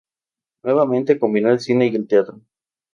Nuevamente, combinó el cine y el teatro.